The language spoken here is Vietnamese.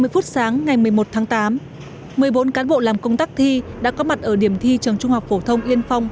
ba mươi phút sáng ngày một mươi một tháng tám một mươi bốn cán bộ làm công tác thi đã có mặt ở điểm thi trường trung học phổ thông yên phong